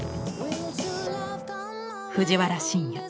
藤原新也